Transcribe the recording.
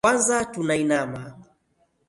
Kwanza tuna inama.